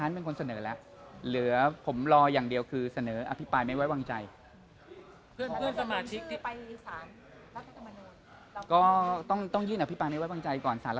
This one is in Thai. ร่วมลงชื่อหรือว่าจะด้วยในการ